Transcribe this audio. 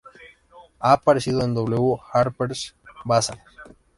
Ha aparecido en W y Harper's Bazaar.